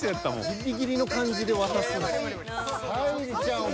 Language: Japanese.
［ギリギリの感じで渡すのよ］